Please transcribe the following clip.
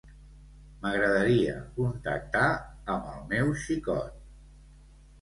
M'agradaria contactar amb el meu xicot.